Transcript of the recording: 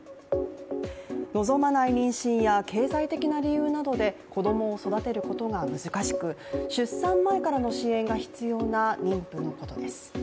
望まない妊娠や経済的な理由などで子供を育てることが難しく、出産前からの支援が必要な妊婦のことです。